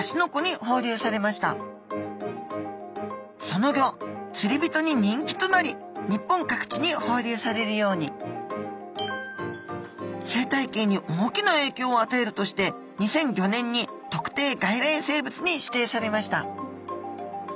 そのギョ釣り人に人気となり日本各地に放流されるように生態系に大きなえいきょうをあたえるとして２００５年に特定外来生物に指定されました